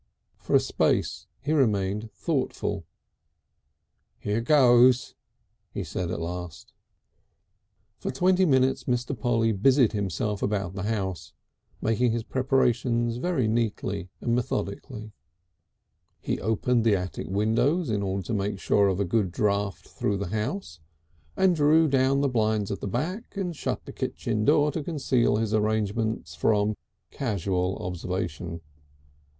For a space he remained thoughtful. "Here goes!" he said at last. II For twenty minutes Mr. Polly busied himself about the house, making his preparations very neatly and methodically. He opened the attic windows in order to make sure of a good draught through the house, and drew down the blinds at the back and shut the kitchen door to conceal his arrangements from casual observation.